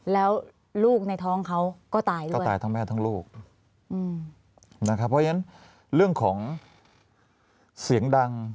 แล้วลูกในท้องเขาก็ตายด้วยก็ตายทั้งแม่ทั้งลูกอืมนะครับเพราะฉะนั้นเรื่องของเสียงดัง